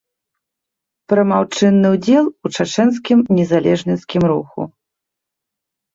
Прымаў чынны ўдзел у чачэнскім незалежніцкім руху.